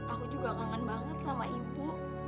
aku juga kangen banget sama ibu